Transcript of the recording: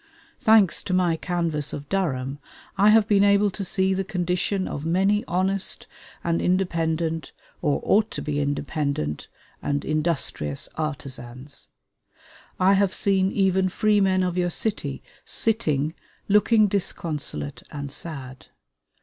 Thanks to my canvass of Durham, I have been able to see the condition of many honest and independent or ought to be independent and industrious artisans. I have seen even freemen of your city sitting, looking disconsolate and sad.